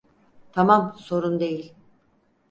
Tamam, sorun değil.